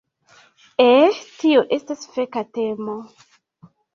Eh, tio estas feka temo.